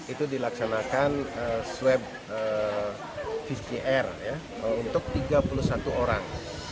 itu dilaksanakan swab pcr untuk tiga puluh satu orang